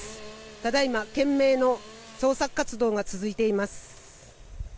ただ今、懸命の捜索活動が続いています。